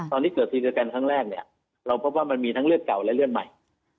ตอนที่เกิดทีเดียวกันครั้งแรกเนี่ยเราพบว่ามันมีทั้งเลือดเก่าและเลือดใหม่